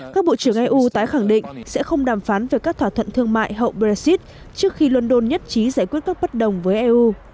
các bộ trưởng eu tái khẳng định sẽ không đàm phán về các thỏa thuận thương mại hậu brexit trước khi london nhất trí giải quyết các bất đồng với eu